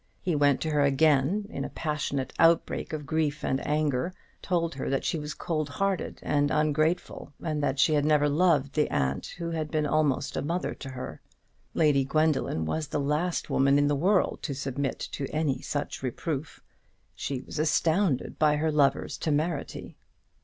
He went to her again, in a passionate outbreak of grief and anger; told her that she was cold hearted and ungrateful, and that she had never loved the aunt who had been almost a mother to her. Lady Gwendoline was the last woman in the world to submit to any such reproof. She was astounded by her lover's temerity.